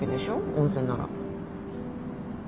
温泉なら